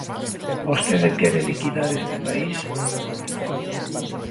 ¿Vostede quere liquidar este país?